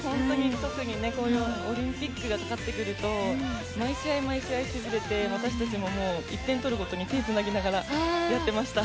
特にオリンピックがかかってくると毎試合、毎試合しびれて私たちも１点取るごとに手をつなぎながらやってました。